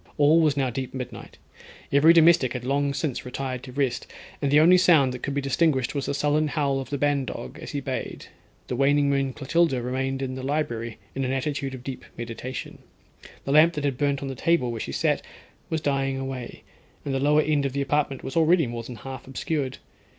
All was now deep midnight; every domestic had long since retired to rest, and the only sound that could be distinguished was the sullen howl of the ban dog as he bayed, the waning moon Clotilda remained in the library in an attitude of deep meditation. The lamp that burnt on the table, where she sat, was dying away, and the lower end of the apartment was already more than half obscured.